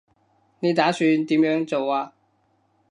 你打算點樣做啊